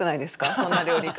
そんな料理家。